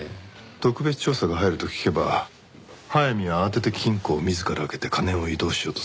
特別調査が入ると聞けば速水は慌てて金庫を自ら開けて金を移動しようとする。